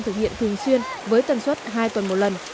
thực hiện thường xuyên với tần suất hai tuần một lần